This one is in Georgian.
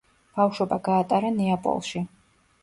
ბავშვობა გაატარა ნეაპოლში.